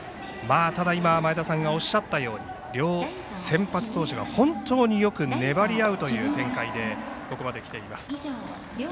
ただ、今、前田さんがおっしゃったように両先発投手が本当によく粘り合うという展開でここまできています。